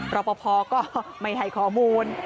รอปภก็ไม่ให้ข้อมูล